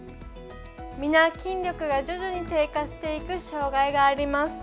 みんな筋力が徐々に低下していく障がいがあります。